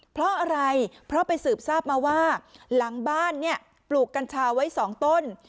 เพราะอะไรเพราะไปสืบทราบมาว่าหลังบ้านเนี่ยปลูกกัญชาไว้๒ต้น